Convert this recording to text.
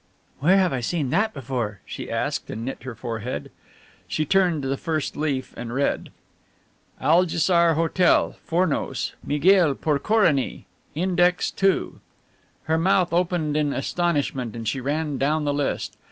"Where have I seen that before?" she asked, and knit her forehead. She turned the first leaf and read: "Alsigar Hotel, Fournos, Proprietor, Miguel Porcorini. Index 2." Her mouth opened in astonishment and she ran down the list.